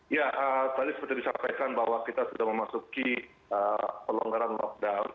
ya tadi seperti disampaikan bahwa kita sudah memasuki pelonggaran lockdown